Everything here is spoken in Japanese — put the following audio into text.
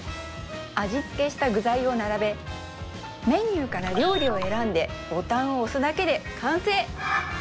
味つけした具材を並べメニューから料理を選んでボタンを押すだけで完成！